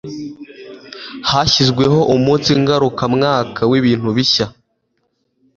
hashyizweho umunsi ngarukamwaka w'ibintu bishya